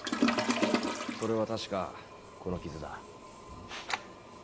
それは確かこの傷だ。